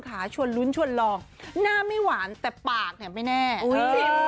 คือใบเฟิร์นเขาเป็นคนที่อยู่กับใครก็ได้ค่ะแล้วก็ตลกด้วย